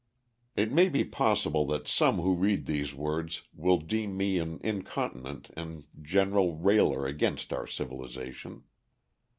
] It may be possible that some who read these words will deem me an incontinent and general railer against our civilization.